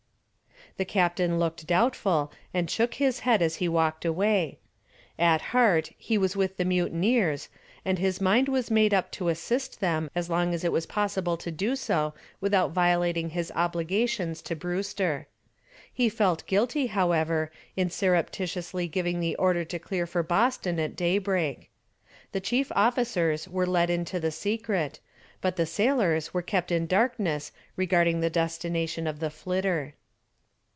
The captain looked doubtful and shook his head as he walked away. At heart he was with the mutineers and his mind was made up to assist them as long as it was possible to do so without violating his obligations to Brewster. He felt guilty, however, in surreptitiously giving the order to clear for Boston at daybreak. The chief officers were let into the secret, but the sailors were kept in darkness regarding the destination of the "Flitter."